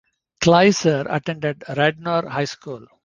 Kleiser attended Radnor High School.